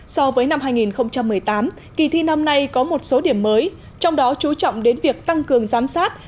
so với năm hai nghìn một mươi tám kỳ thi năm nay có một số điểm mới trong đó chú trọng đến việc tăng cường giám sát